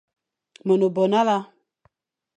Me ne bo nale,